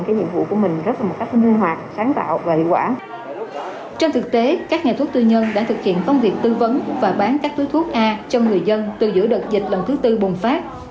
trên thực tế các nhà thuốc tư nhân đã thực hiện công việc tư vấn và bán các túi thuốc a cho người dân từ giữa đợt dịch lần thứ tư bùng phát